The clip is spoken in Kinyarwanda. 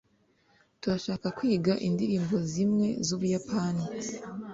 turashaka kwiga indirimbo zimwe z'ubuyapani